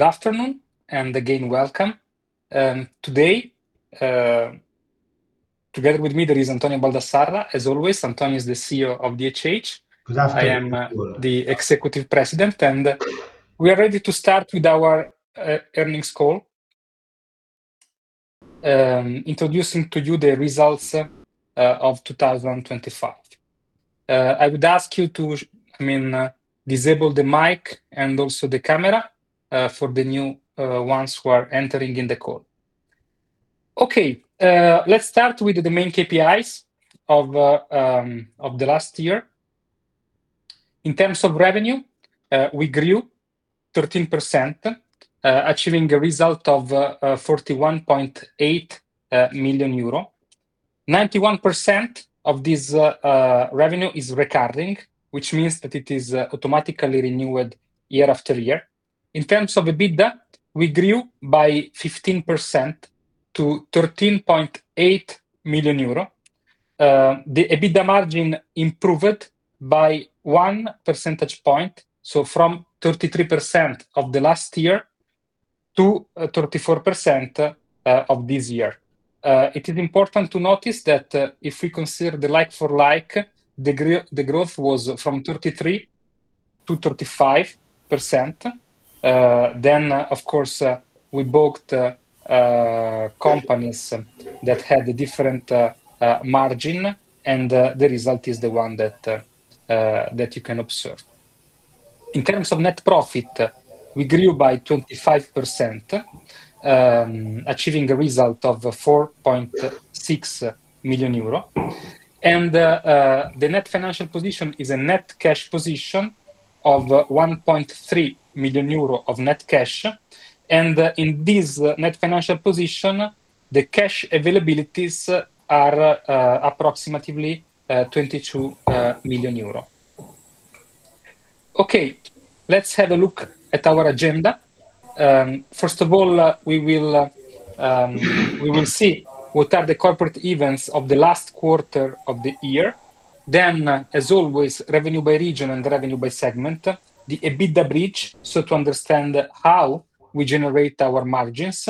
Good afternoon, and again, welcome. Today, together with me there is Antonio Baldassarra. As always, Antonio is the CEO of DHH. I am the Executive President, and we are ready to start with our earnings call, introducing to you the results of 2025. I would ask you to, I mean, disable the mic and also the camera for the new ones who are entering in the call. Okay. Let's start with the main KPIs of the last year. In terms of revenue, we grew 13%, achieving a result of 41.8 million euro. 91% of this revenue is recurring, which means that it is automatically renewed year-after-year. In terms of EBITDA, we grew by 15% to 13.8 million euro. The EBITDA margin improved by 1 percentage point, so from 33% of the last year to 34% of this year. It is important to notice that if we consider the like-for-like, the growth was from 33% to 35%. Of course, we booked companies that had a different margin, and the result is the one that you can observe. In terms of net profit, we grew by 25%, achieving a result of 4.6 million euro. The net financial position is a net cash position of 1.3 million euro of net cash. In this net financial position, the cash availabilities are approximately EUR 22 million. Okay. Let's have a look at our agenda. First of all, we will see what are the corporate events of the last quarter of the year. Then, as always, revenue by region and revenue by segment. The EBITDA bridge, so to understand how we generate our margins.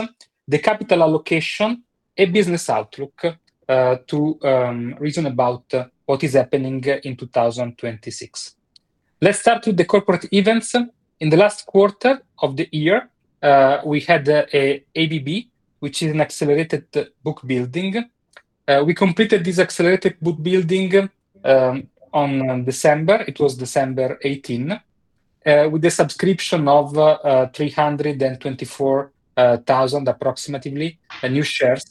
The capital allocation, a business outlook, to reason about what is happening in 2026. Let's start with the corporate events. In the last quarter of the year, we had a ABB, which is an accelerated bookbuilding. We completed this accelerated bookbuilding on December. It was December 18 with the subscription of approximately 324,000 new shares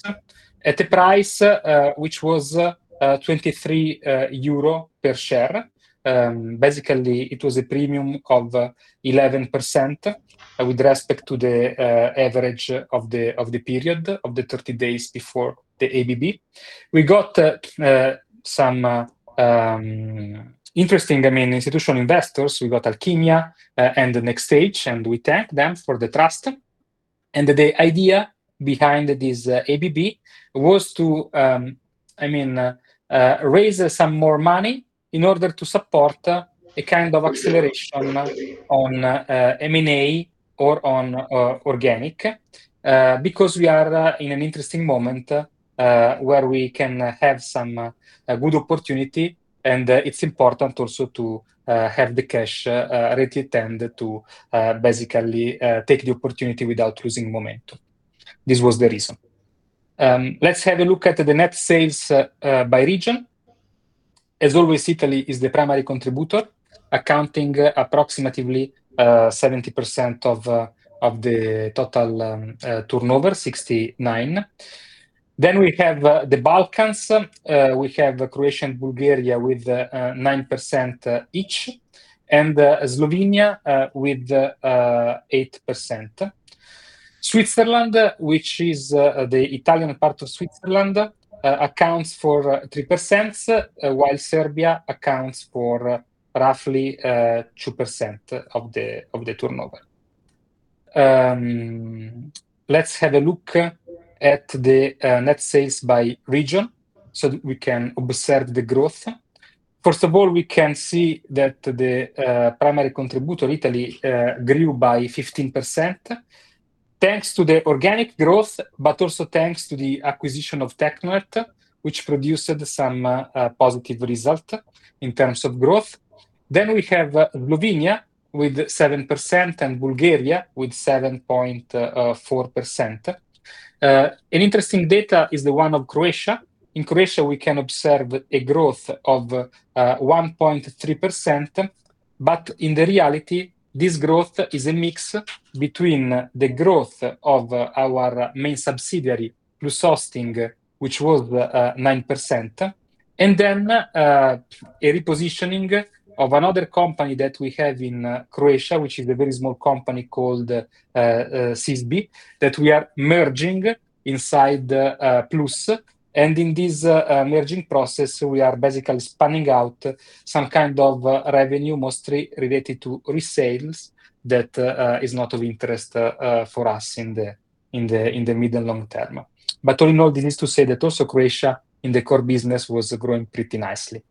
at a price which was 23 euro per share. Basically, it was a premium of 11% with respect to the average of the period of the 30 days before the ABB. We got some interesting, I mean, institutional investors. We got Alchimia and NextStage, and we thank them for the trust. The idea behind this ABB was to, I mean, raise some more money in order to support a kind of acceleration on M&A or on organic, because we are in an interesting moment where we can have some good opportunity, and it's important also to have the cash ready at hand to basically take the opportunity without losing momentum. This was the reason. Let's have a look at the net sales by region. As always, Italy is the primary contributor, accounting approximately 70% of the total turnover, 69%. We have the Balkans. We have Croatia and Bulgaria with 9% each, and Slovenia with 8%. Switzerland, which is the Italian part of Switzerland, accounts for 3%, while Serbia accounts for roughly 2% of the turnover. Let's have a look at the net sales by region so that we can observe the growth. First of all, we can see that the primary contributor, Italy, grew by 15%, thanks to the organic growth, but also thanks to the acquisition of Teknonet, which produced some positive result in terms of growth. We have Slovenia with 7% and Bulgaria with 7.4%. An interesting data is the one of Croatia. In Croatia, we can observe a growth of 1.3%, but in reality, this growth is a mix between the growth of our main subsidiary, Plus Hosting, which was 9%, and then a repositioning of another company that we have in Croatia, which is a very small company called CISB, that we are merging inside Plus. In this merging process, we are basically spinning out some kind of revenue, mostly related to resales that is not of interest for us in the middle long term. But all in all, this is to say that also Croatia in the core business was growing pretty nicely.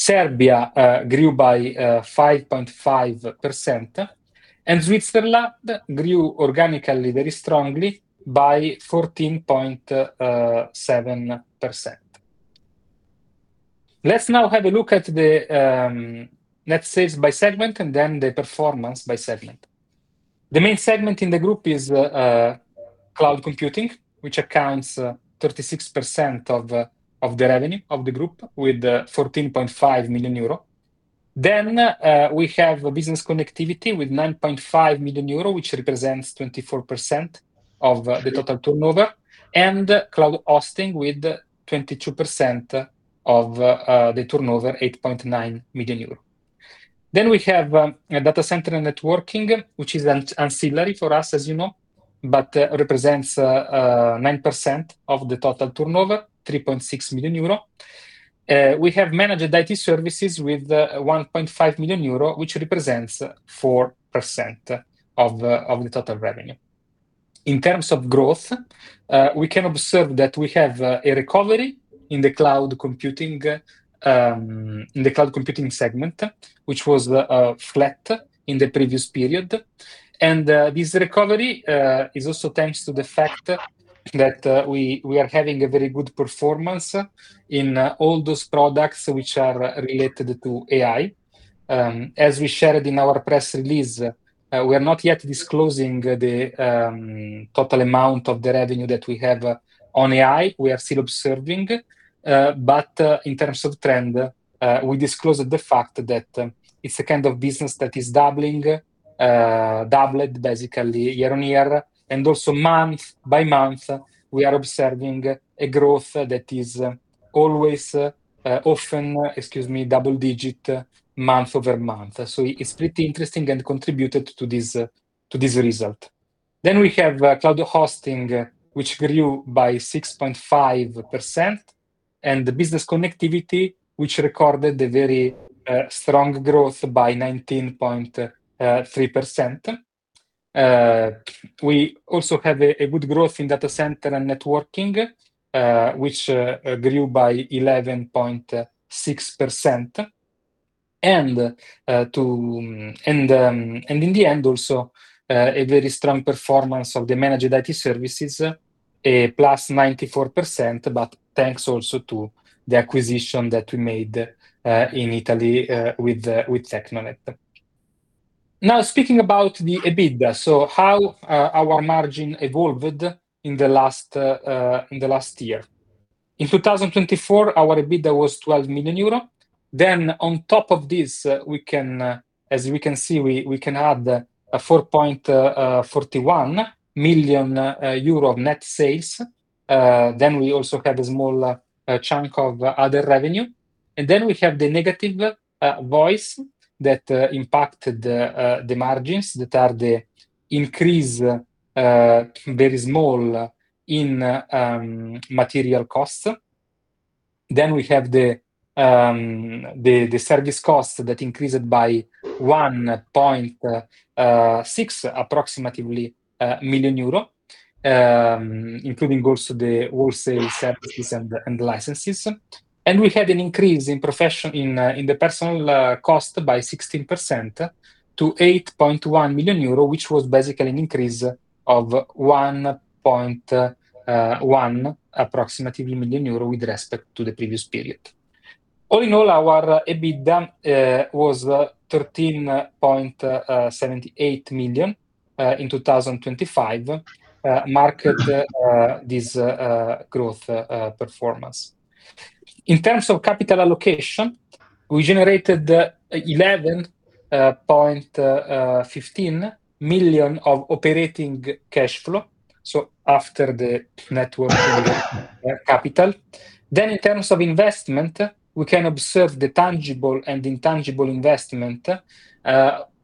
Serbia grew by 5.5%, and Switzerland grew organically very strongly by 14.7%. Let's now have a look at the net sales by segment and then the performance by segment. The main segment in the group is cloud computing, which accounts 36% of the revenue of the group with 14.5 million euro. We have business connectivity with 9.5 million euro, which represents 24% of the total turnover, and cloud hosting with 22% of the turnover, 8.9 million euro. We have a data center and networking, which is an ancillary for us as you know, but represents 9% of the total turnover, 3.6 million euro. We have managed IT services with 1.5 million euro, which represents 4% of the total revenue. In terms of growth, we can observe that we have a recovery in the cloud computing segment, which was flat in the previous period. This recovery is also thanks to the fact that we are having a very good performance in all those products which are related to AI. As we shared in our press release, we are not yet disclosing the total amount of the revenue that we have on AI; we are still observing. In terms of trend, we disclosed the fact that it's a kind of business that doubled basically year-over-year. Also month by month, we are observing a growth that is often double-digit month-over-month. It's pretty interesting and contributed to this result. We have cloud hosting, which grew by 6.5%, and the business connectivity, which recorded a very strong growth by 19.3%. We also have a good growth in data center and networking, which grew by 11.6%. In the end, also a very strong performance of the managed IT services, +94%, but thanks also to the acquisition that we made in Italy with Teknonet. Now speaking about the EBITDA, how our margin evolved in the last year. In 2024, our EBITDA was 12 million euro. On top of this, we can, as we can see, add 4.41 million euro of net sales. We also have a small chunk of other revenue, and we have the negative voice that impacted the margins that are the increase very small in material costs. We have the service costs that increased by 1.6 million euro approximately, including also the wholesale services and licenses. We had an increase in the personnel cost by 16% to 8.1 million euro, which was basically an increase of approximately 1.1 million euro with respect to the previous period. All in all, our EBITDA was 13.78 million in 2025 marked this growth performance. In terms of capital allocation, we generated 11.15 million of operating cash flow, so after the net working capital. In terms of investment, we can observe the tangible and intangible investment.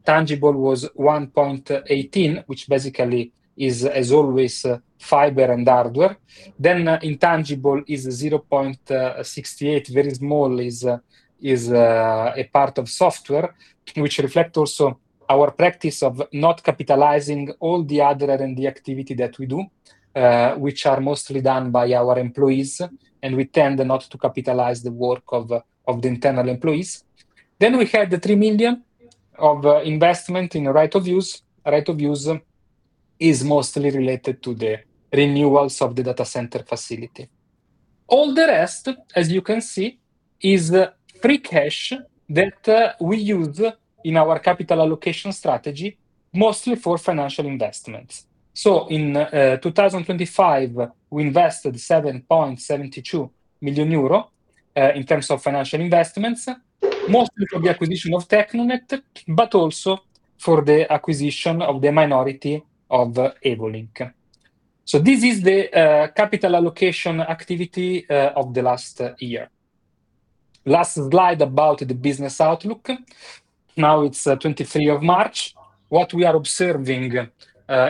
Tangible was 1.18, which basically is as always, fiber and hardware. Intangible is 0.68, very small, is a part of software, which reflect also our practice of not capitalizing all the R&D activity that we do, which are mostly done by our employees, and we tend not to capitalize the work of the internal employees. We had the 3 million of investment in right-of-use. Right-of-use is mostly related to the renewals of the data center facility. All the rest, as you can see, is the free cash that we use in our capital allocation strategy, mostly for financial investments. In 2025, we invested 7.72 million euro in terms of financial investments, mostly for the acquisition of Teknonet, but also for the acquisition of the minority of Evolink. This is the capital allocation activity of the last year. Last slide about the business outlook. Now it's March 23. What we are observing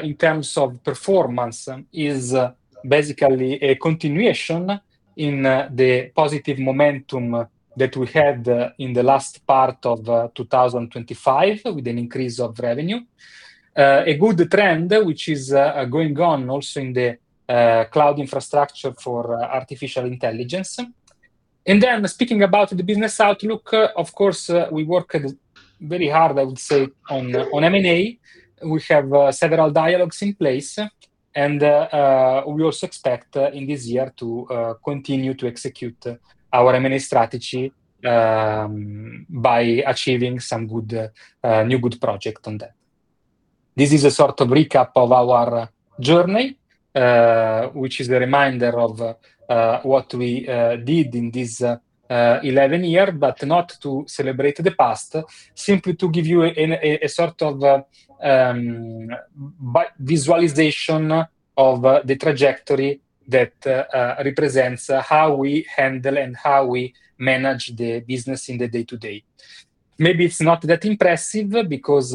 in terms of performance is basically a continuation in the positive momentum that we had in the last part of 2025 with an increase of revenue. A good trend which is going on also in the cloud infrastructure for artificial intelligence. Speaking about the business outlook, of course, we work very hard, I would say, on M&A. We have several dialogues in place, and we also expect in this year to continue to execute our M&A strategy by achieving some good new project on that. This is a sort of recap of our journey, which is a reminder of what we did in this 11 year. Not to celebrate the past, simply to give you a sort of visualization of the trajectory that represents how we handle and how we manage the business in the day-to-day. Maybe it's not that impressive because,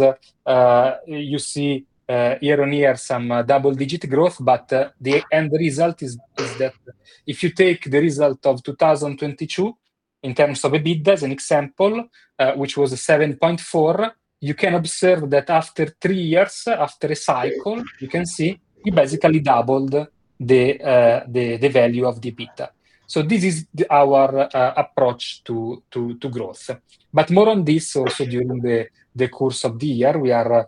you see, year-on-year some double-digit growth, but the end result is that if you take the result of 2022 in terms of EBITDA as an example, which was 7.4, you can observe that after 3 years, after a cycle, you can see we basically doubled the value of the EBITDA. So this is our approach to growth. But more on this also during the course of the year, we are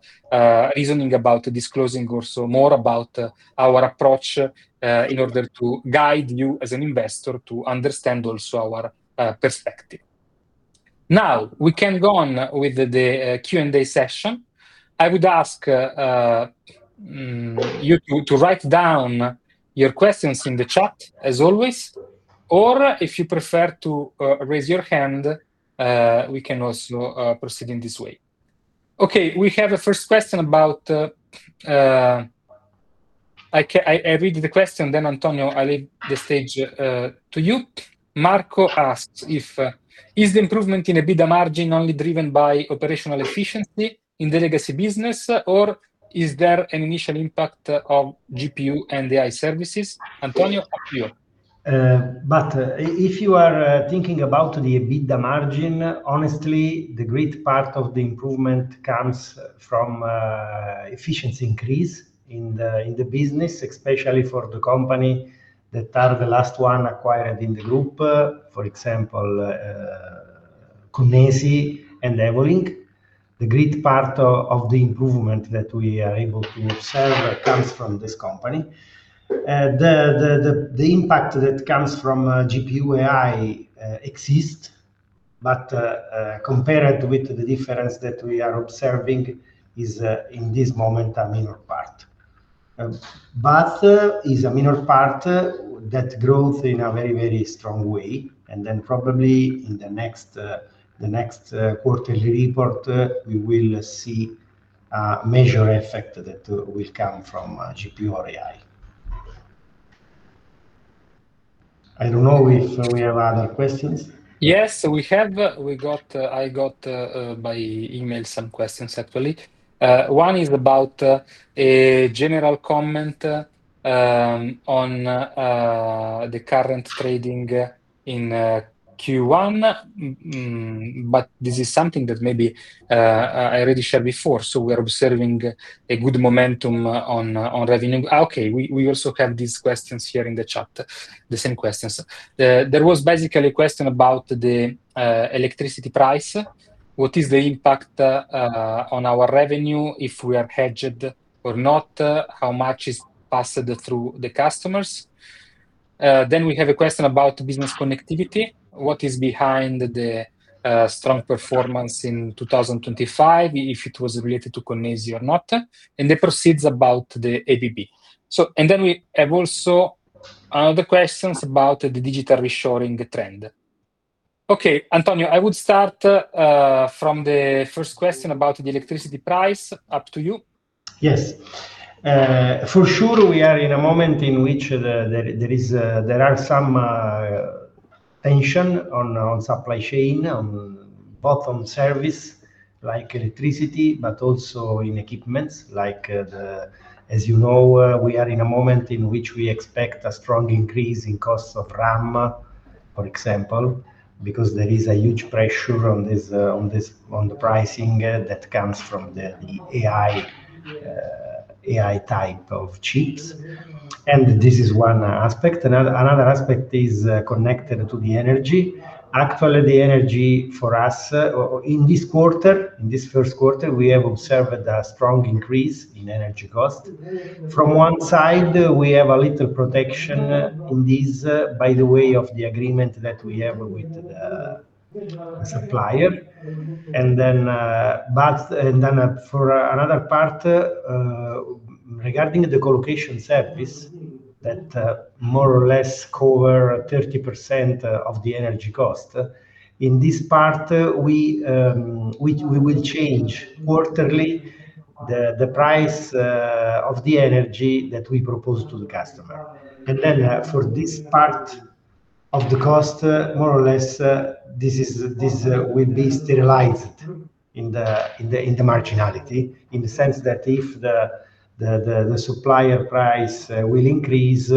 reasoning about disclosing also more about our approach, in order to guide you as an investor to understand also our perspective. Now, we can go on with the Q&A session. I would ask you to write down your questions in the chat as always, or if you prefer to raise your hand, we can also proceed in this way. Okay. We have a first question. I read the question, then Antonio, I leave the stage to you. Marco asks: is the improvement in EBITDA margin only driven by operational efficiency in the legacy business or is there an initial impact of GPU and AI services? Antonio, up to you. If you are thinking about the EBITDA margin, honestly, the great part of the improvement comes from efficiency increase in the business, especially for the companies that are the last ones acquired in the group. For example, Connesi and Evolink. The great part of the improvement that we are able to observe comes from these companies. The impact that comes from GPU AI exists, but compared with the difference that we are observing, it is, in this moment, a minor part. But it is a minor part that grows in a very, very strong way, and then probably in the next quarterly report, we will see a major effect that will come from GPU or AI. I don't know if we have other questions. Yes, we have. We got. I got by email some questions, actually. One is about a general comment on the current trading in Q1. But this is something that maybe I already shared before. We are observing a good momentum on revenue. Okay, we also have these questions here in the chat, the same questions. There was basically a question about the electricity price. What is the impact on our revenue if we are hedged or not? How much is passed through the customers? We have a question about business connectivity. What is behind the strong performance in 2025, if it was related to Connesi or not? It proceeds about the ABB. We have also other questions about the digital reshoring trend. Okay, Antonio, I would start from the first question about the electricity price. Up to you. Yes. For sure, we are in a moment in which there are some tensions in the supply chain, in both services like electricity, but also in equipment. As you know, we are in a moment in which we expect a strong increase in costs of RAM, for example, because there is a huge pressure on this, on the pricing that comes from the AI type of chips. This is one aspect. Another aspect is connected to the energy. Actually, the energy for us in this quarter, in this first quarter, we have observed a strong increase in energy costs. From one side, we have a little protection in this, by way of the agreement that we have with the supplier. For another part, regarding the colocation service that more or less covers 30% of the energy cost, in this part, we will change quarterly the price of the energy that we propose to the customer. For this part of the cost, more or less, this will be sterilized in the marginality, in the sense that if the supplier price will increase,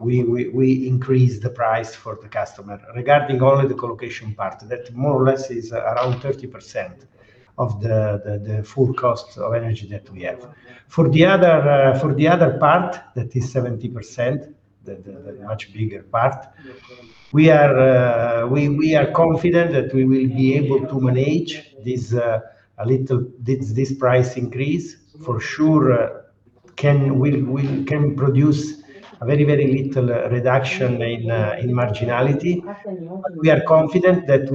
we increase the price for the customer regarding only the colocation part. That more or less is around 30% of the full cost of energy that we have. For the other part, that is 70%. The much bigger part. We are confident that we will be able to manage this price increase. We can produce a very little reduction in marginality. We are confident that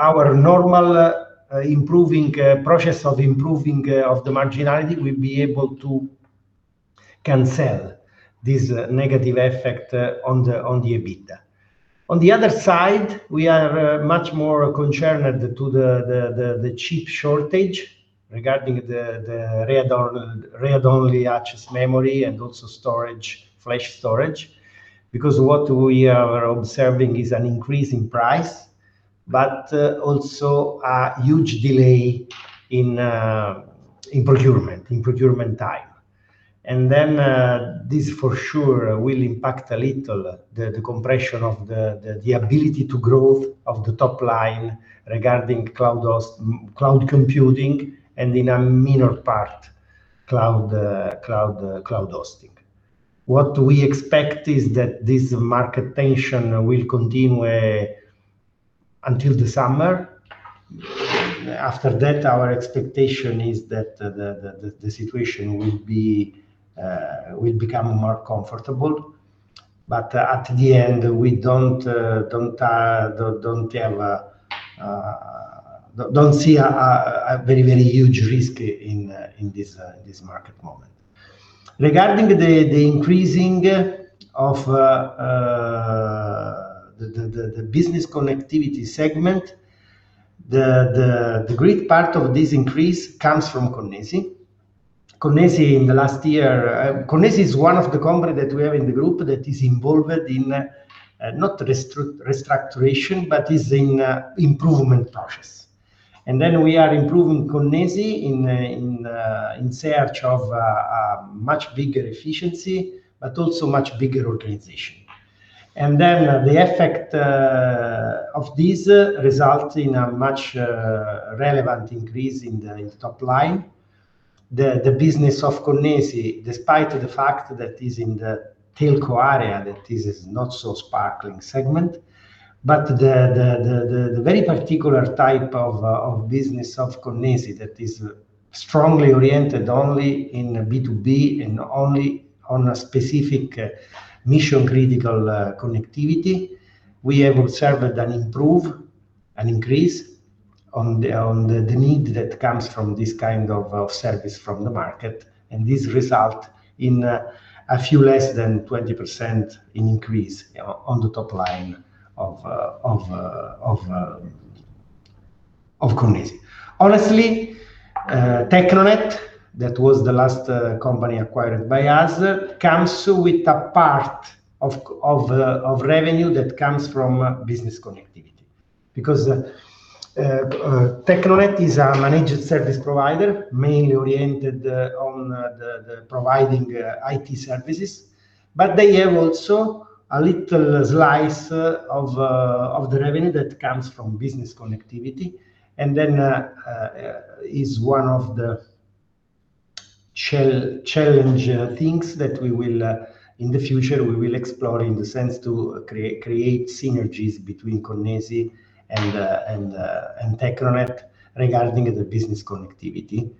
our normal improving process of improving the marginality will be able to cancel this negative effect on the EBITDA. On the other side, we are much more concerned about the chip shortage regarding the read-only access memory and also storage, flash storage because what we are observing is an increase in price but also a huge delay in procurement time. This for sure will impact a little the compression of the ability to growth of the top line regarding cloud computing, and in a minor part, cloud hosting. What we expect is that this market tension will continue until the summer. After that, our expectation is that the situation will become more comfortable. At the end, we don't see a very huge risk in this market moment. Regarding the increasing of the business connectivity segment, the great part of this increase comes from Connesi. Connesi in the last year... Connesi is one of the company that we have in the group that is involved in, not restructuring, but is in a improvement process. We are improving Connesi in search of a much bigger efficiency, but also much bigger organization. The effect of this result in a much relevant increase in the top line. The very particular type of business of Connesi that is strongly oriented only in B2B and only on a specific mission-critical connectivity. We have observed an increase on the need that comes from this kind of service from the market, and this result in a few less than 20% increase on the top line of Connesi. Honestly, Teknonet, that was the last company acquired by us, comes with a part of revenue that comes from business connectivity. Teknonet is a managed service provider mainly oriented on the providing IT services. They have also a little slice of the revenue that comes from business connectivity, and then is one of the challenge things that we will in the future explore in the sense to create synergies between Connesi and Teknonet regarding the business connectivity.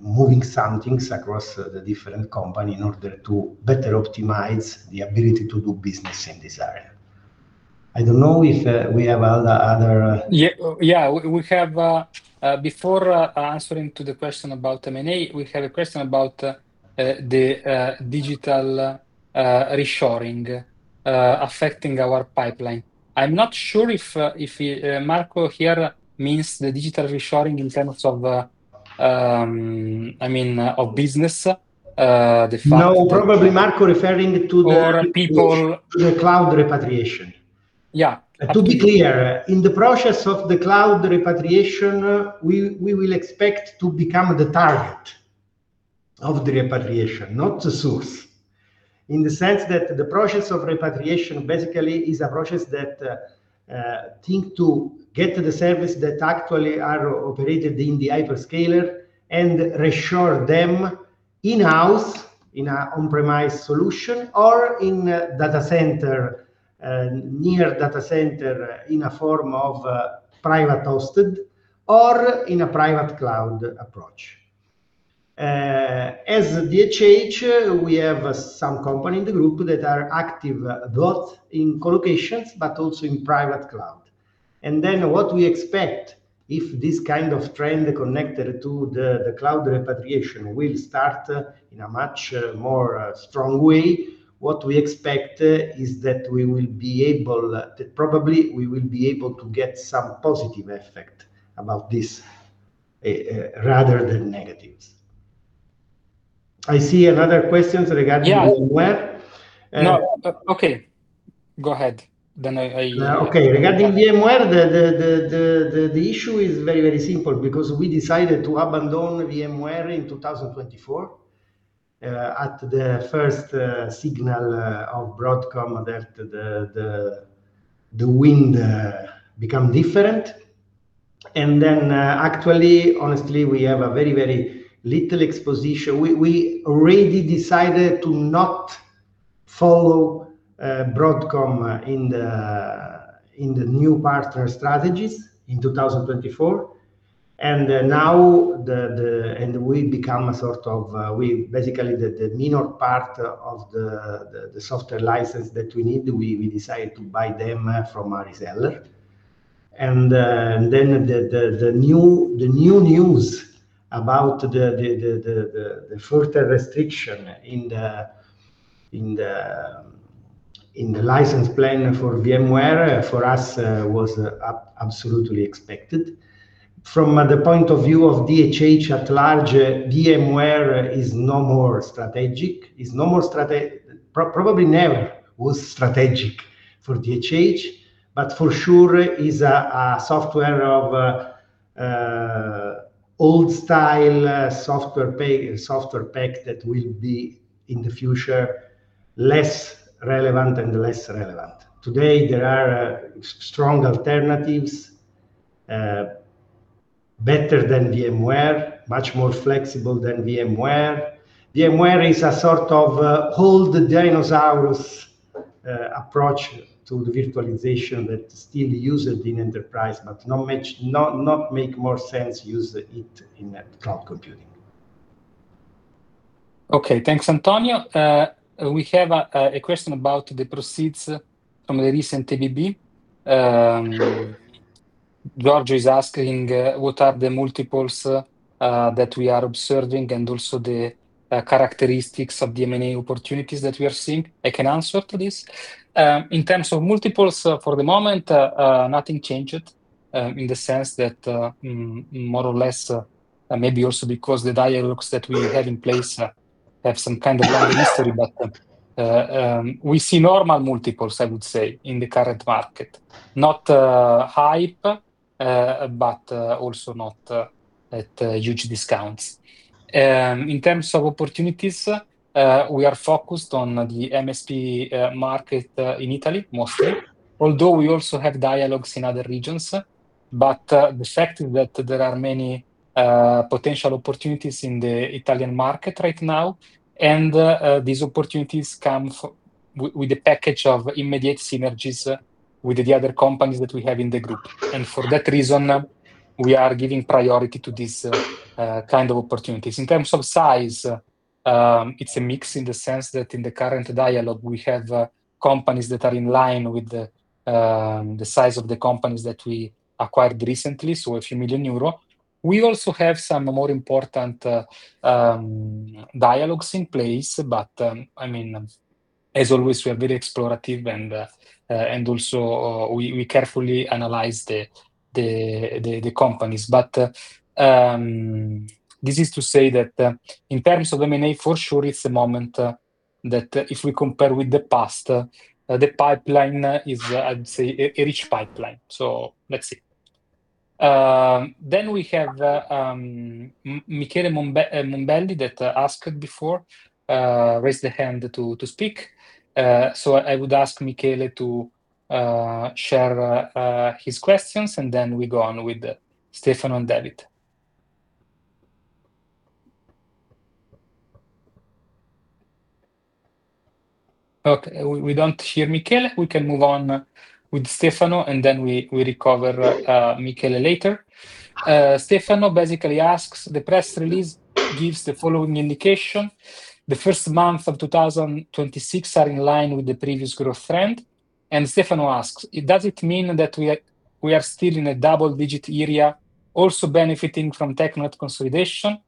Moving some things across the different company in order to better optimize the ability to do business in this area. I don't know if we have other. Yeah. We have, before answering the question about M&A, a question about the digital reshoring affecting our pipeline. I'm not sure if Marco here means the digital reshoring in terms of, I mean, of business, the fact that. No, probably Marco referring to the Or people- To the cloud repatriation. Yeah. To be clear, in the process of the cloud repatriation, we will expect to become the target of the repatriation, not the source. In the sense that the process of repatriation basically is a process that takes the service that actually are operated in the hyperscaler and reshore them in-house in an on-premises solution or in a data center near data center in a form of private hosted or in a private cloud approach. As DHH, we have some company in the group that are active a lot in co-locations, but also in private cloud. Then what we expect, if this kind of trend connected to the cloud repatriation will start in a much more strong way, what we expect is that we will be able, probably, to get some positive effect about this rather than negatives. I see another question regarding VMware. No. Okay, go ahead then I. Okay. Regarding VMware, the issue is very simple because we decided to abandon VMware in 2024 at the first signal of Broadcom that the winds become different. Actually, honestly, we have a very little exposure. We already decided to not follow Broadcom in the new partner strategies in 2024. Now we become a sort of, we basically the minor part of the software license that we need, we decide to buy them from a reseller. Then the new news about the further restriction in the license plan for VMware, for us, was absolutely expected. From the point of view of DHH at large, VMware is no more strategic. Probably never was strategic for DHH, but for sure is a software of old style, software pack that will be in the future less relevant. Today, there are strong alternatives better than VMware, much more flexible than VMware. VMware is a sort of old dinosaurs approach to the virtualization that still used in enterprise, but not much make more sense use it in cloud computing. Okay. Thanks, Antonio. We have a question about the proceeds from the recent ABB. George is asking what are the multiples that we are observing, and also the characteristics of the M&A opportunities that we are seeing. I can answer to this. In terms of multiples, for the moment nothing changed in the sense that more or less maybe also because the dialogues that we have in place have some kind of long history. We see normal multiples, I would say, in the current market. Not high, but also not at huge discounts. In terms of opportunities, we are focused on the MSP market in Italy mostly, although we also have dialogues in other regions. The fact that there are many potential opportunities in the Italian market right now, and these opportunities come with the package of immediate synergies with the other companies that we have in the group. For that reason, we are giving priority to these kind of opportunities. In terms of size, it's a mix in the sense that in the current dialogue, we have companies that are in line with the size of the companies that we acquired recently, so a few million EUR. We also have some more important dialogues in place. I mean, as always, we are very explorative and also we carefully analyze the companies. This is to say that in terms of M&A, for sure it's the moment that if we compare with the past, the pipeline is, I'd say, a rich pipeline. Let's see. Then we have Michele Mombelli that asked before, raised their hand to speak. I would ask Michele to share his questions, and then we go on with Stefano and David. Okay. We don't hear Michele. We can move on with Stefano, and then we recover Michele later. Stefano basically asks, the press release gives the following indication. The first month of 2026 are in line with the previous growth trend. Stefano asks, does it mean that we are still in a double-digit area, also benefiting from Teknonet consolidation?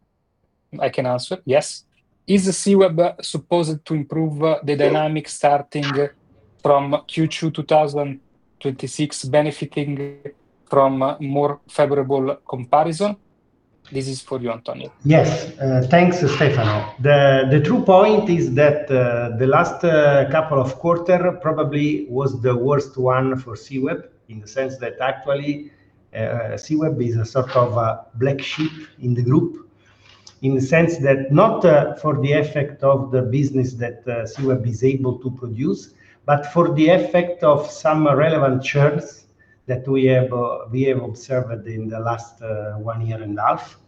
I can answer. Yes. Is the Seeweb supposed to improve the dynamic starting from Q2 2026, benefiting from more favorable comparison? This is for you, Antonio. Yes. Thanks, Stefano. The true point is that the last couple of quarter probably was the worst one for Seeweb, in the sense that actually Seeweb is a sort of a black sheep in the group, in the sense that not for the effect of the business that Seeweb is able to produce, but for the effect of some relevant churns that we have observed in the last one year and half.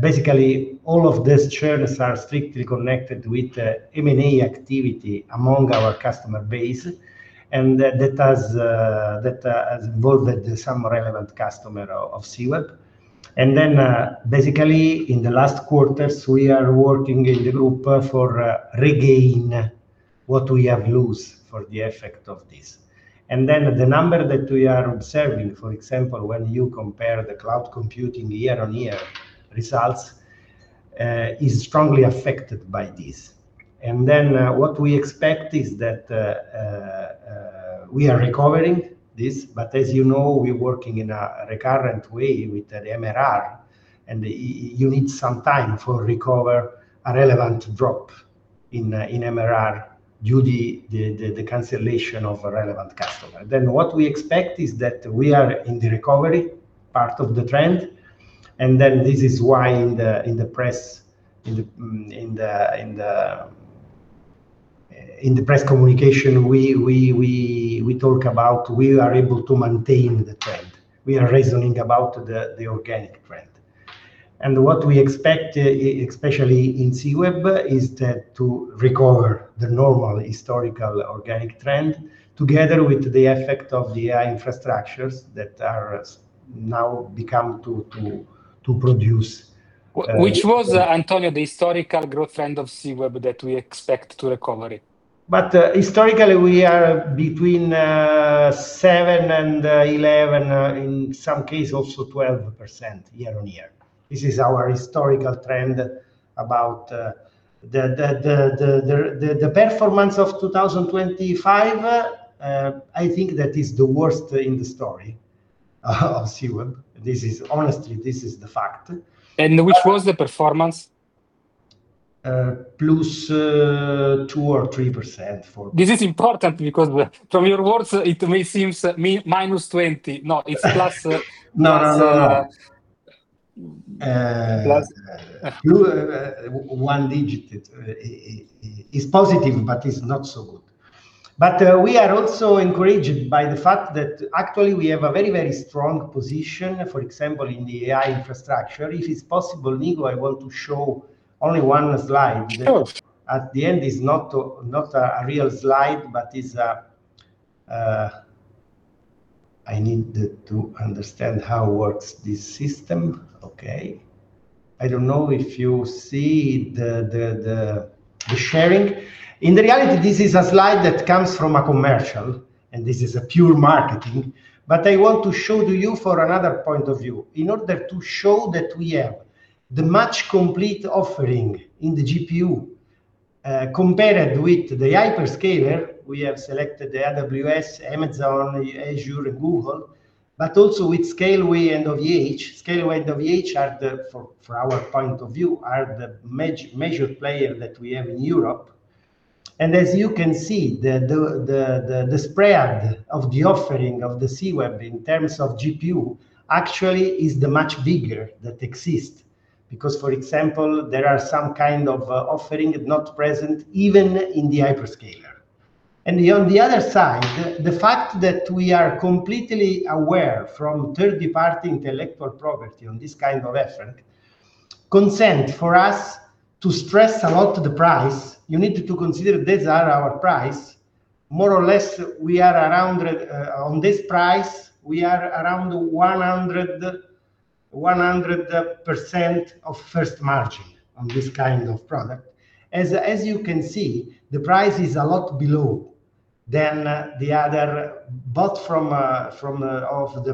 Basically, all of these churns are strictly connected with the M&A activity among our customer base, and that has involved some relevant customer of Seeweb. Basically in the last quarters, we are working in the group for regain what we have lose for the effect of this. The number that we are observing, for example, when you compare the cloud computing year-on-year results, is strongly affected by this. What we expect is that we are recovering this, but as you know, we're working in a recurrent way with the MRR, and you need some time to recover a relevant drop in MRR due to the cancellation of a relevant customer. What we expect is that we are in the recovery part of the trend, and this is why in the press communication, we talk about we are able to maintain the trend. We are reasoning about the organic trend. What we expect especially in Seeweb is that to recover the normal historical organic trend together with the effect of the AI infrastructures that are now starting to produce Which was, Antonio, the historical growth trend of Seeweb that we expect to recover? Historically we are between 7% and 11%, in some case also 12% year-over-year. This is our historical trend about the performance of 2025. I think that is the worst in the history of Seeweb. Honestly, this is the fact. Which was the performance? +2%-3% for- This is important because from your words it may seem -20, not. It's plus. No. plus 1 digit. It's positive, but it's not so good. We are also encouraged by the fact that actually we have a very, very strong position, for example, in the AI infrastructure. If it's possible, Nico, I want to show only one slide that Of course. At the end is not a real slide, but is I need to understand how works this system. Okay. I don't know if you see the sharing. In reality, this is a slide that comes from a commercial, and this is a pure marketing, but I want to show to you for another point of view. In order to show that we have the most complete offering in the GPU compared with the hyperscaler, we have selected the AWS, Amazon, Azure, and Google, but also with Scaleway and OVH. Scaleway and OVH are the from our point of view are the major player that we have in Europe. As you can see, the spread of the offering of Seeweb in terms of GPU actually is the much bigger that exist. Because, for example, there are some kind of offering not present even in the hyperscaler. On the other side, the fact that we are completely free from third party intellectual property on this kind of offering allows for us to stress a lot the price. You need to consider these are our prices. More or less we are around on this price, we are around 100% gross margin on this kind of product. As you can see, the price is a lot below the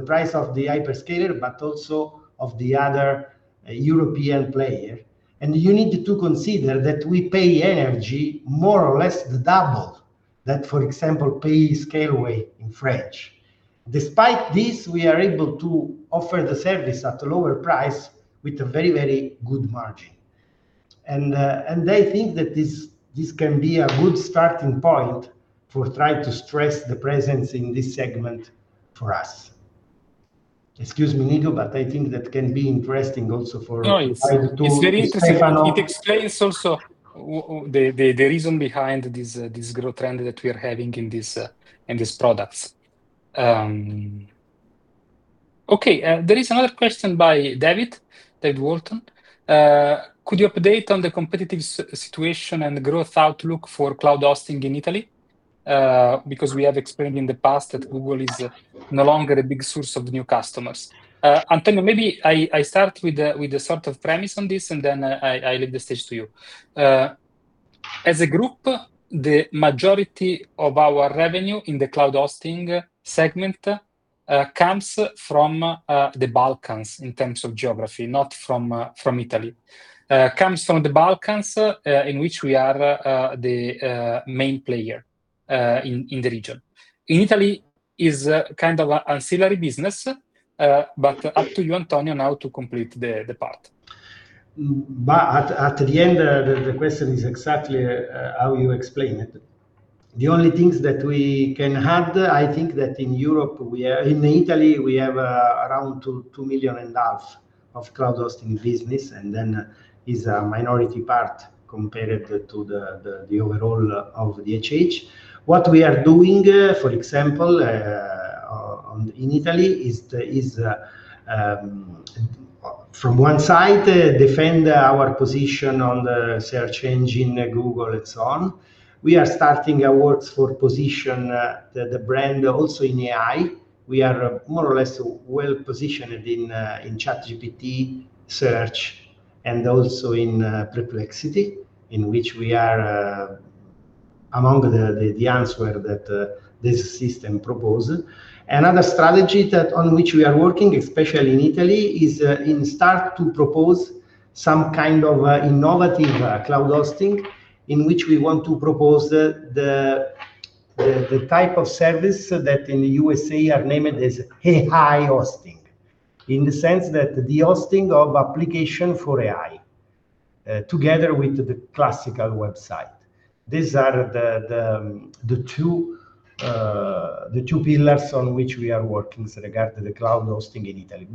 price of the hyperscaler, but also of the other European player. You need to consider that we pay energy more or less the double that, for example, Scaleway pays in France. Despite this, we are able to offer the service at a lower price with a very, very good margin. I think that this can be a good starting point for try to stress the presence in this segment for us. Excuse me, Nico, but I think that can be interesting also for No, it's very interesting. to explain It explains also the reason behind this growth trend that we're having in this products. Okay, there is another question by David Vagman. Could you update on the competitive situation and growth outlook for cloud hosting in Italy? Because we have explained in the past that Google is no longer a big source of new customers. Antonio, maybe I start with a sort of premise on this and then I leave the stage to you. As a group, the majority of our revenue in the cloud hosting segment comes from the Balkans in terms of geography, not from Italy. Comes from the Balkans, in which we are the main player in the region. In Italy is kind of an ancillary business, but up to you, Antonio, now to complete the part. At the end, the question is exactly how you explain it. The only things that we can add, I think that in Europe we are in Italy, we have around 2.5 million of cloud hosting business, and it is a minority part compared to it the overall of the DHH. What we are doing, for example, in Italy is from one side defend our position on the search engine Google and so on. We are starting our works for position the brand also in AI. We are more or less well-positioned in ChatGPT search and also in Perplexity, in which we are among the answer that this system proposes. Another strategy that on which we are working especially in Italy is starting to propose some kind of innovative cloud hosting in which we want to propose the type of service that in the U.S. have named it as AI hosting in the sense that the hosting of application for AI together with the classical website. These are the two pillars on which we are working with regard to the cloud hosting in Italy.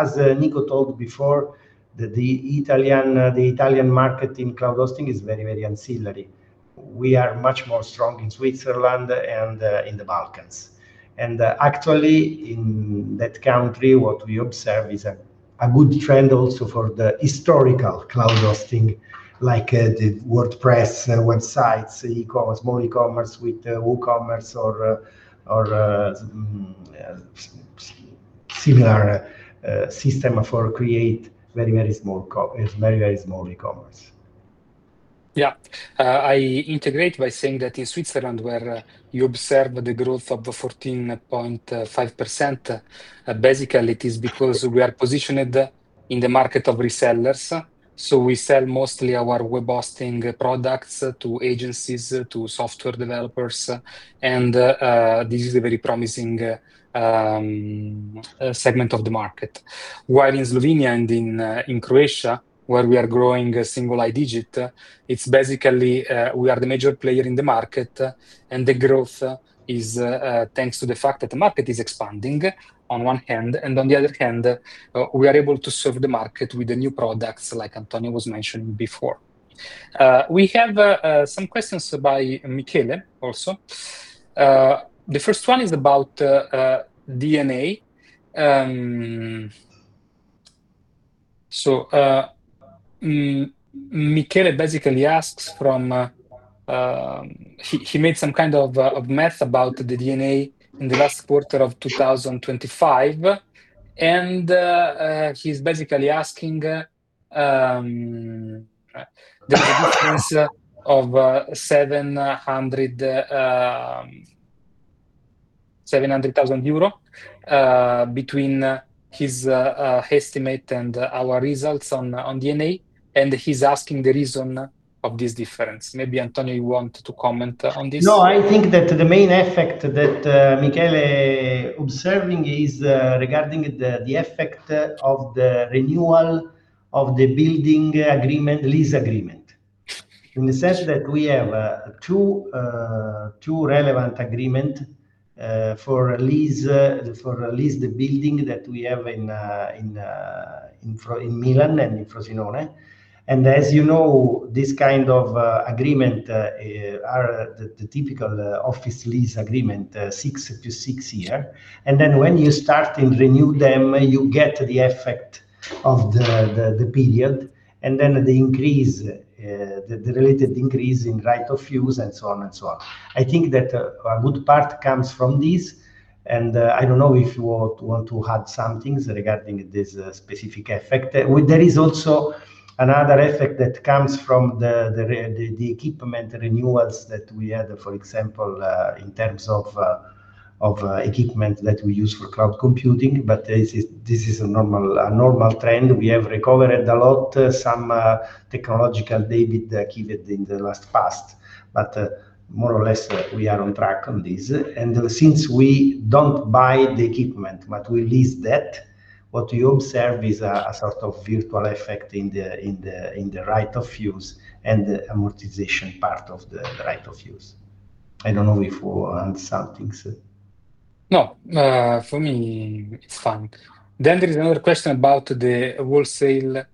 As Nico told before the Italian market in cloud hosting is very ancillary. We are much more strong in Switzerland and in the Balkans. Actually in that country, what we observe is a good trend also for the historical cloud hosting, like the WordPress websites, e-commerce, more e-commerce with WooCommerce or similar system for creating very, very small e-commerce. I integrate by saying that in Switzerland where you observe the growth of the 14.5%, basically it is because we are positioned in the market of resellers. We sell mostly our web hosting products to agencies, to software developers, and this is a very promising segment of the market. While in Slovenia and in Croatia, where we are growing a single high digit, it's basically we are the major player in the market, and the growth is thanks to the fact that the market is expanding on one hand, and on the other hand we are able to serve the market with the new products like Antonio was mentioning before. We have some questions by Michele also. The first one is about D&A. Michele basically asks from. He made some kind of math about the D&A in the last quarter of 2025. He’s basically asking the difference of 700,000 euro between his estimate and our results on D&A, and he’s asking the reason of this difference. Maybe Antonio, you want to comment on this? No, I think that the main effect that Michele observing is regarding the effect of the renewal of the building agreement, lease agreement, in the sense that we have 2 relevant agreement for lease the building that we have in Milan and in Frosinone. As you know, this kind of agreement are the typical office lease agreement 6 to 6 year. Then when you start and renew them, you get the effect of the period, and then the increase the related increase in right-of-use and so on and so on. I think that a good part comes from this, and I don't know if you want to add some things regarding this specific effect. There is also another effect that comes from the equipment renewals that we had, for example, in terms of equipment that we use for cloud computing, but this is a normal trend. We have recovered a lot of technological debt given in the past. More or less, we are on track on this. Since we don't buy the equipment, but we lease that, what we observe is a sort of virtual effect in the right-of-use and the amortization part of the right-of-use. I don't know if you want to add something. No. For me it's fine. There is another question about the wholesale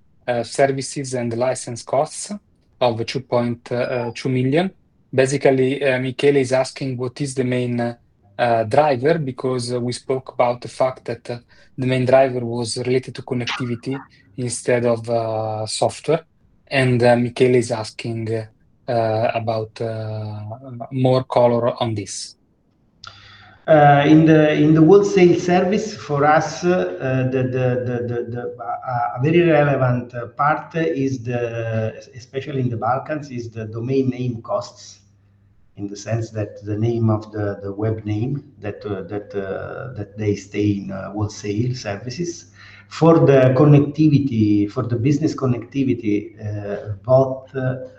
services and license costs of 2.2 million. Basically, Michele is asking what is the main driver, because we spoke about the fact that the main driver was related to connectivity instead of software, and Michele is asking about more color on this. In the wholesale service for us, a very relevant part is, especially in the Balkans, the domain name costs, in the sense that the name of the web name that they sell in wholesale services. For the connectivity, for the business connectivity, both Connesi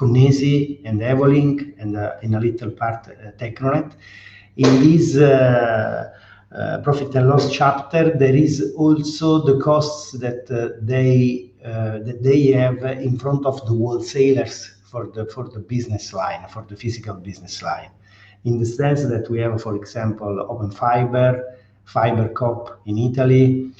and Evolink and, in a little part, Teknonet, in this profit and loss chapter, there is also the costs that they have in front of the wholesalers for the business line, for the physical business line, in the sense that we have, for example, Open Fiber, FiberCop in Italy,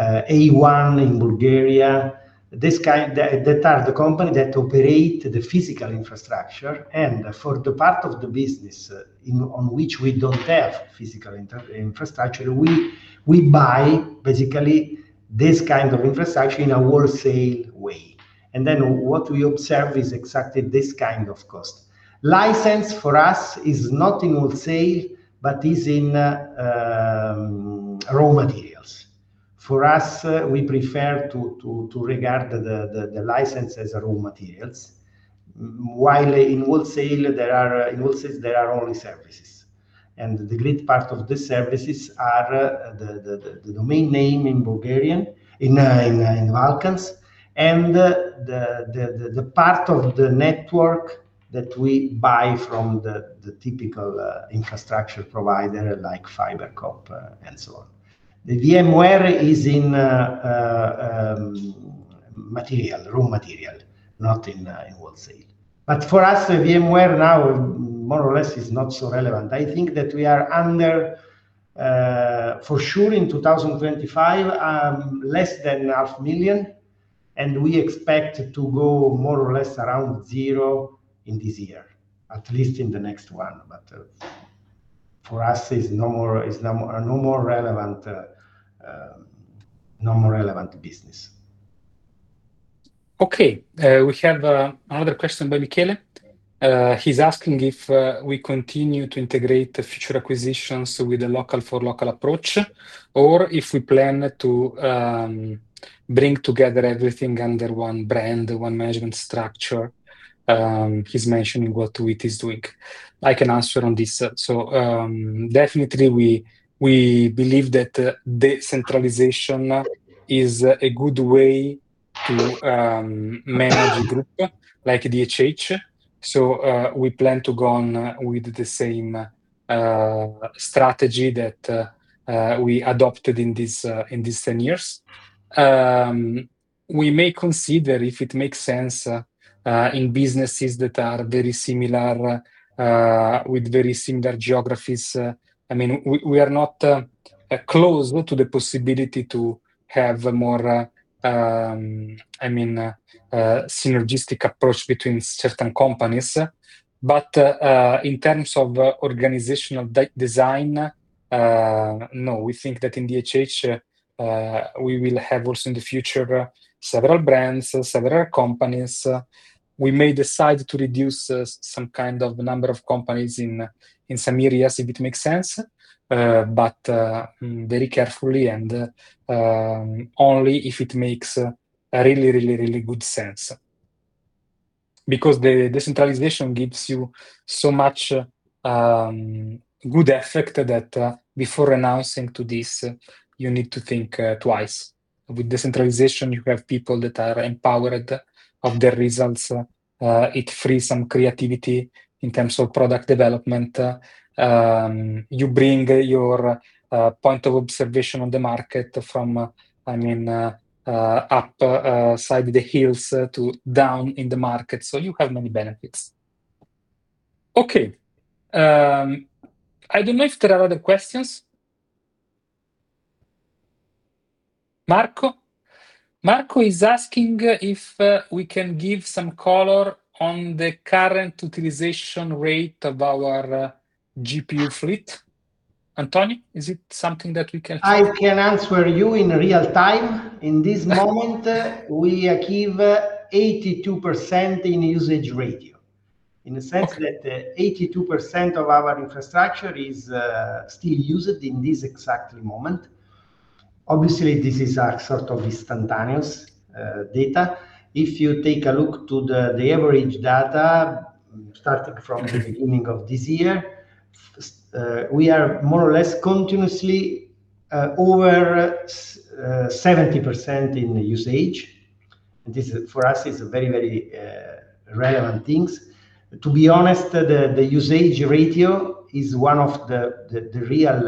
A1 in Bulgaria. This kind... They are the company that operate the physical infrastructure and for the part of the business, in, on which we don't have physical infrastructure, we buy basically this kind of infrastructure in a wholesale way. What we observe is exactly this kind of cost. License for us is not in wholesale, but is in raw materials. For us, we prefer to regard the license as raw materials. While in wholesale there are only services, and the great part of the services are the domain name in Bulgarian, in Balkans and the part of the network that we buy from the typical infrastructure provider like FiberCop and so on. The VMware is in raw material, not in wholesale. For us, the VMware now more or less is not so relevant. I think that we are under for sure in 2025 less than 500,000, and we expect to go more or less around zero in this year. At least in the next one. For us is no more relevant business. Okay. We have another question by Michele. He's asking if we continue to integrate the future acquisitions with the local for local approach or if we plan to bring together everything under one brand, one management structure. He's mentioning what Wix is doing. I can answer on this. Definitely we believe that decentralization is a good way to manage a group like DHH. We plan to go on with the same strategy that we adopted in these 10 years. We may consider if it makes sense in businesses that are very similar with very similar geographies. I mean, we are not closed to the possibility to have a more synergistic approach between certain companies. In terms of organizational design, no. We think that in DHH, we will have also in the future several brands, several companies. We may decide to reduce some kind of number of companies in some areas if it makes sense. Very carefully and only if it makes really good sense. Because the decentralization gives you so much good effect that before announcing this, you need to think twice. With decentralization, you have people that are empowered of their results. It frees some creativity in terms of product development. You bring your point of observation on the market from, I mean, up in the hills to down in the market, so you have many benefits. Okay. I don't know if there are other questions. Marco? Marco is asking if we can give some color on the current utilization rate of our GPU fleet. Antonio, is it something that we can- I can answer you in real time. In this moment, we achieve 82% in usage ratio, in the sense that 82% of our infrastructure is still used in this exact moment. Obviously, this is a sort of instantaneous data. If you take a look to the average data, starting from the beginning of this year, we are more or less continuously over 70% in usage. This for us is a very relevant things. To be honest, the usage ratio is one of the real,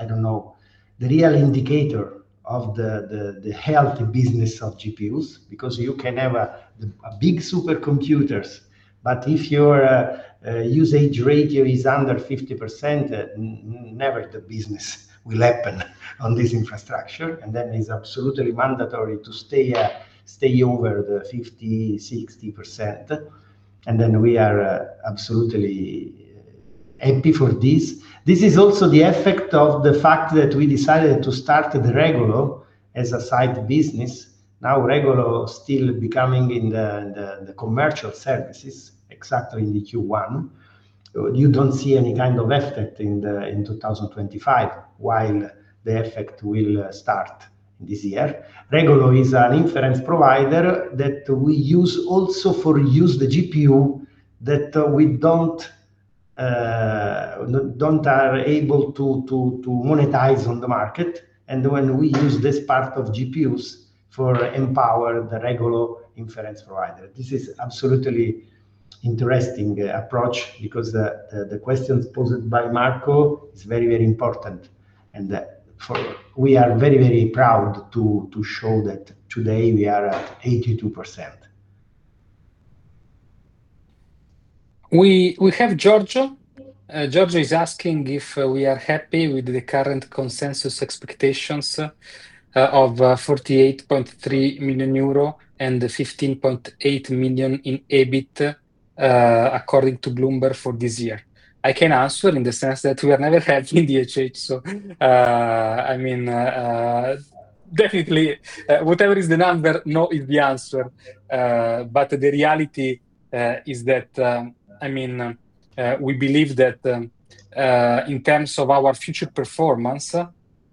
I don't know, the real indicator of the healthy business of GPUs, because you can have the big supercomputers, but if your usage ratio is under 50%, never the business will happen on this infrastructure, and that is absolutely mandatory to stay over the 50, 60%. We are absolutely happy for this. This is also the effect of the fact that we decided to start Regolo as a side business. Now Regolo still becoming in the commercial services exactly in the Q1. You don't see any kind of effect in 2025, while the effect will start this year. Regolo is an inference provider that we use also for use the GPU that we don't are able to monetize on the market, and when we use this part of GPUs for empower the Regolo inference provider. This is absolutely interesting approach because the questions posed by Marco is very important. We are very proud to show that today we are at 82%. We have Giorgio. Giorgio is asking if we are happy with the current consensus expectations of 48.3 million euro and the 15.8 million in EBIT according to Bloomberg for this year. I can answer in the sense that we are never happy in DHH. I mean, definitely, whatever is the number, no is the answer. The reality is that, I mean, we believe that, in terms of our future performance,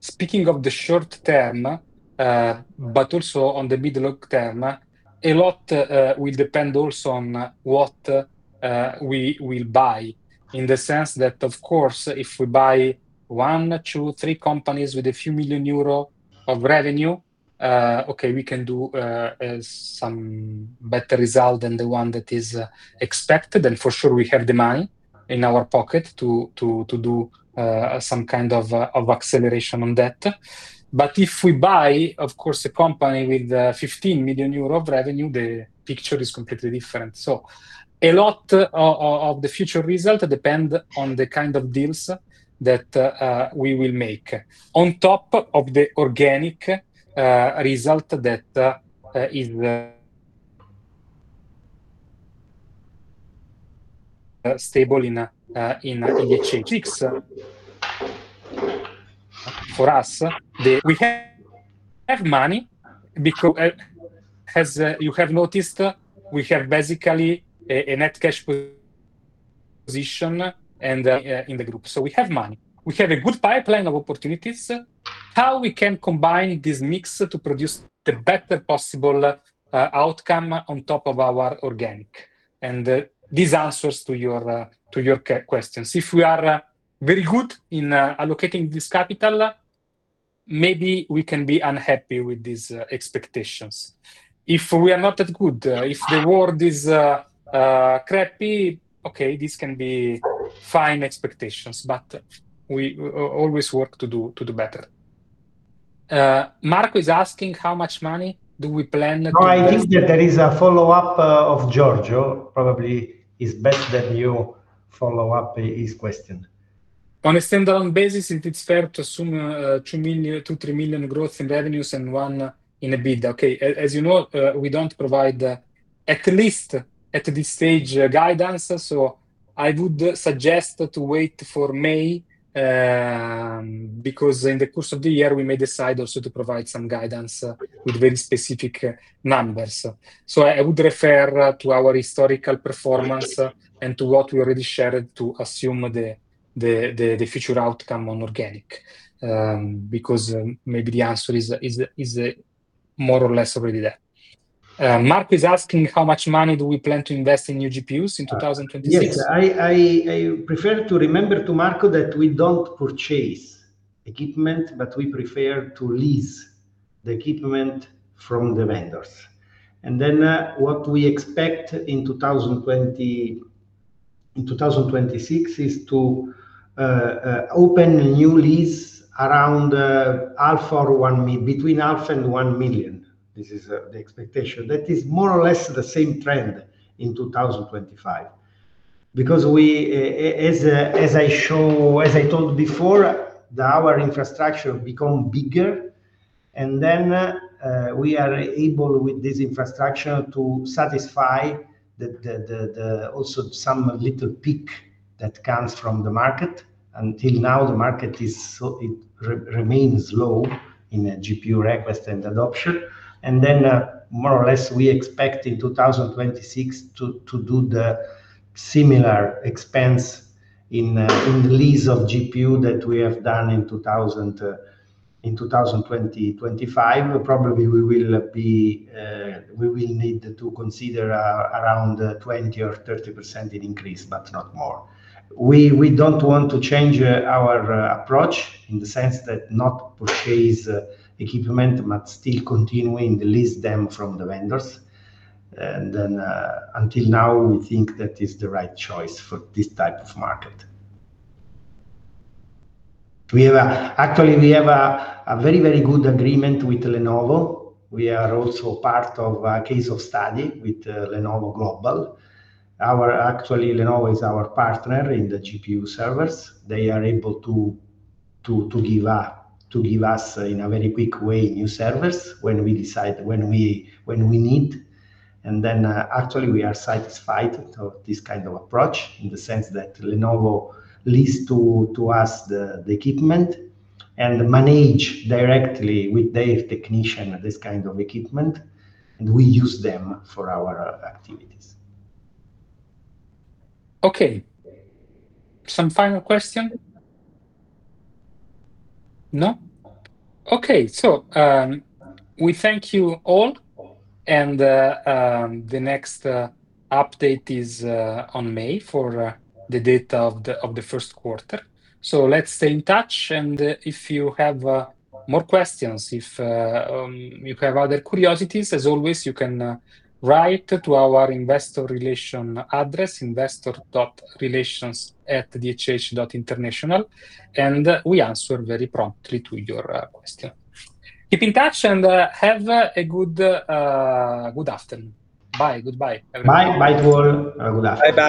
speaking of the short term, but also on the middle long term, a lot will depend also on what we will buy. In the sense that of course, if we buy one, two, three companies with a few million EUR of revenue, okay, we can do some better result than the one that is expected, and for sure we have demand in our pocket to do some kind of acceleration on that. But if we buy, of course, a company with 15 million euro of revenue, the picture is completely different. A lot of the future result depend on the kind of deals that we will make. On top of the organic result that is stable in 2026. For us, we have money because, as you have noticed, we have basically a net cash position in the group. We have money. We have a good pipeline of opportunities. How we can combine this mix to produce the better possible outcome on top of our organic? These answers to your questions. If we are very good in allocating this capital, maybe we can be unhappy with these expectations. If we are not that good, if the world is crappy, okay, this can be fine expectations, but we always work to do better. Marco is asking how much money do we plan to invest- No, I think that there is a follow-up of Giorgio. Probably it's best that you follow up his question. On a standalone basis, it is fair to assume 2-3 million growth in revenues and 1 million in EBITDA. Okay. As you know, we don't provide, at least at this stage, a guidance, so I would suggest to wait for May, because in the course of the year, we may decide also to provide some guidance, with very specific numbers. I would refer to our historical performance, and to what we already shared to assume the future outcome on organic, because maybe the answer is more or less already there. Marco is asking how much money do we plan to invest in new GPUs in 2026? Yes. I prefer to remember to Marco that we don't purchase equipment, but we prefer to lease the equipment from the vendors. What we expect in 2026 is to open a new lease between EUR half million and 1 million. This is the expectation. That is more or less the same trend in 2025 because we, as I told before, our infrastructure become bigger and then we are able with this infrastructure to satisfy also some little peak that comes from the market. Until now, the market remains low in GPU request and adoption. More or less, we expect in 2026 to do the similar expense in the lease of GPU that we have done in 2020 and 2025. Probably we will need to consider around 20%-30% increase, but not more. We don't want to change our approach in the sense that not purchase equipment, but still continuing to lease them from the vendors. Until now, we think that is the right choice for this type of market. Actually, we have a very good agreement with Lenovo. We are also part of a case study with Lenovo globally. Actually, Lenovo is our partner in the GPU servers. They are able to give us in a very quick way new servers when we need. Actually we are satisfied of this kind of approach in the sense that Lenovo lease to us the equipment and manage directly with their technician this kind of equipment, and we use them for our activities. Okay. Some final question? No? Okay. We thank you all and the next update is on May 4, the date of the first quarter. Let's stay in touch, and if you have more questions, if you have other curiosities, as always, you can write to our investor relation address, investor.relations@dhh.international, and we answer very promptly to your question. Keep in touch, and have a good afternoon. Bye. Goodbye, everyone. Bye. Bye to all. Have a good afternoon. Bye, bye.